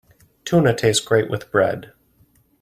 Tuna tastes great with bread.